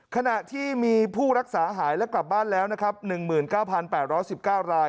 ขณะที่มีผู้รักษาหายแล้วกลับบ้านแล้วนะครับหนึ่งหมื่นเก้าพันแปดร้อยสิบเก้าราย